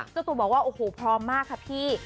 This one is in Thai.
เจ้าตัวบอกว่าโอ้โหพร้อมมากค่ะพี่